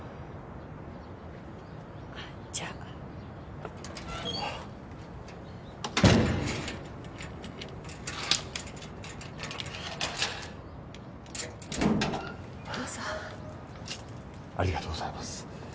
じゃあどうぞありがとうございます